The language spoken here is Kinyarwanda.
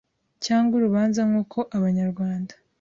cyangwa urubanza nk’uko Abanyarwanda